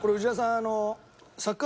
あの。